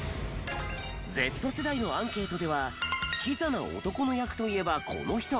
Ｚ世代のアンケートでは「キザな男の役といえばこの人！」